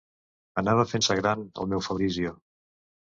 Anava fent-se gran, el meu Fabrizio.